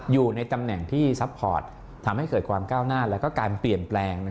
อยู่ในตำแหน่งที่ซัพพอร์ตทำให้เกิดความก้าวหน้าและการเปลี่ยนแปลง